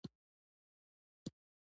له پوهنتونونو فارغ کسان کار واخلي.